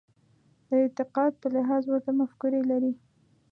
د اعتقاد په لحاظ ورته مفکورې لري.